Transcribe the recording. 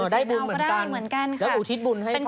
ได้บุญเหมือนกันแล้วหูทิศบุญให้พ่อแม่